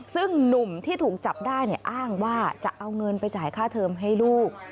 ซึ่งหนุ่มที่ถูกจับได้อ้างว่าจะเอาเงินไปจ่ายค่าเทอมให้ลูก